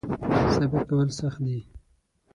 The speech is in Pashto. صبر کول سخت دی .